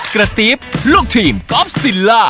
กระติ๊บลูกทีมกอล์ฟซิลล่า